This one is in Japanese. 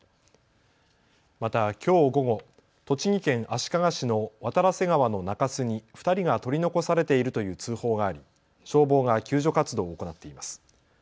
また、きょう午後、栃木県足利市の渡良瀬川の中州に２人が取り残されているという通報があり消防が救助活動を行っています。